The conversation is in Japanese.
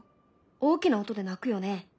大きな音で鳴くよね。